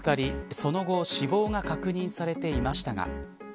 その後死亡が確認されていましたが。